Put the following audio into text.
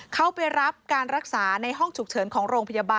เข้าไปรับการรักษาในห้องฉุกเฉินของโรงพยาบาล